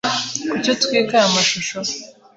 Kuki utwika aya mashusho?